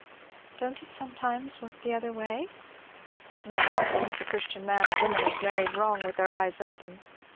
'" "Don't it sometimes work the other way?" "Not often, if a Christian man or woman has married wrong with their eyes open.